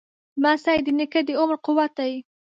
لمسی د نیکه د عمر قوت دی.